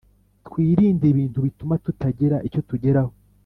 Twirinde ibintu bituma tutagira icyo tugeraho